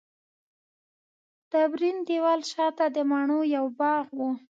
ډبرین دېوال شاته د مڼو یو باغ و.